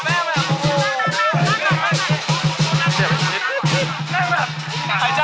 ได้แบบหายใจไม่รอดท้องเนี่ย